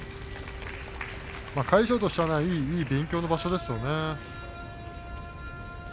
魁勝としてはいい勉強ですよね。